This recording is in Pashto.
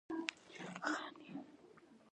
هېواد د قلم ځواک دی.